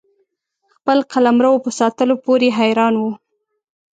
خپل قلمرو په ساتلو پوري حیران وو.